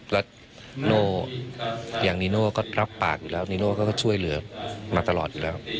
และโนอย่างตรับปากอยู่แล้วนีโนะก็ก็ช่วยเหลือมาตลอดอยู่แล้ว